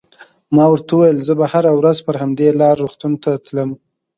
ما ورته وویل: زه به هره ورځ پر همدې لار روغتون ته تلم.